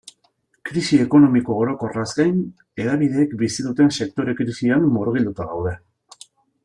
Krisi ekonomiko orokorraz gain, hedabideek bizi duten sektore-krisian murgilduta gaude.